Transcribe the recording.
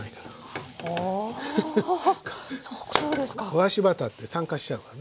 焦がしバターって酸化しちゃうからね。